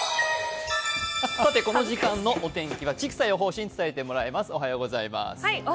この時間のお天気は千種予報士に伝えてもらいます。